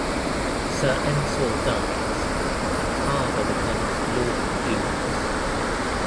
Sir Ensor dies, and Carver becomes lord of the Doones.